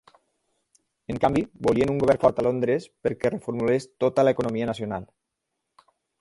En canvi, volien un govern fort a Londres perquè reformulés tota l'economia nacional.